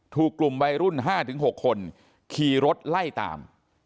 ถูกกลุ่มวัยรุ่น๕๖คนขี่รถไล่ตาม